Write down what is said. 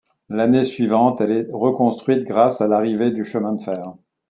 L'année suivante, elle est reconstruite grâce à l'arrivée du chemin de fer.